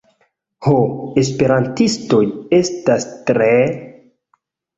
ho, esperantistoj estas tre...